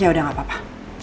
ya udah gak apa apa